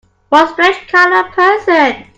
What a strange kind of person!